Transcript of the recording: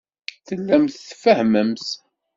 Tellamt tfehhmemt.